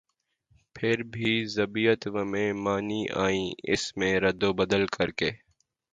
پھر بےضابطہ ومن مانی آئینی اس میں ردوبدل کرکے